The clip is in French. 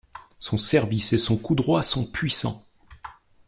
Son service et son coup droit sont puissants.